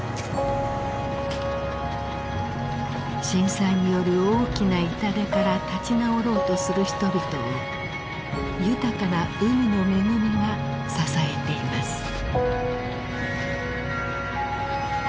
震災による大きな痛手から立ち直ろうとする人々を豊かな海の恵みが支えています。